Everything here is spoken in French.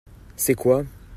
C'est quoi ?